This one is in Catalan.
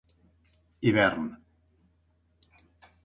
Hivern: